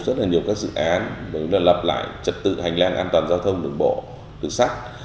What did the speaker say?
rất là nhiều các dự án đó là lập lại trật tự hành lang an toàn giao thông đường bộ đường sắt